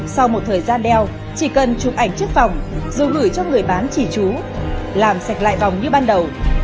sau một thời gian đeo chỉ cần chụp ảnh chiếc vòng rồi gửi cho người bán trì trú làm sạch lại vòng như ban đầu